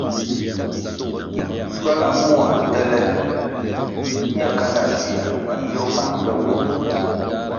Schuala mua ndtele ñe kanda schuia madzio mãh ke wo.